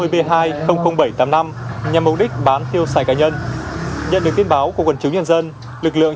sáu mươi b hai trăm linh nghìn bảy trăm tám mươi năm nhằm mục đích bán thiêu xài cá nhân nhận được tin báo của quần chứng nhân dân lực lượng